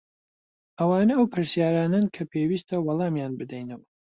ئەوانە ئەو پرسیارانەن کە پێویستە وەڵامیان بدەینەوە.